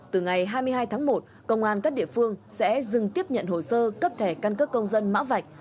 từ ngày hai mươi hai tháng một công an các địa phương sẽ dừng tiếp nhận hồ sơ cấp thẻ căn cước công dân mã vạch